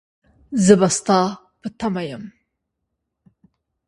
زه به ستا په تمه يم.